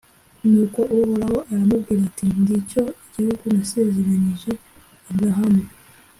nuko uhoraho aramubwira ati «ngicyo igihugu nasezeranyije abrahamu,